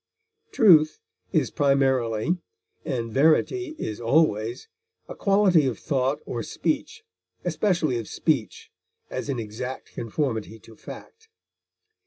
Truth is primarily and verity is always a quality of thought or speech, especially of speech, as in exact conformity to fact.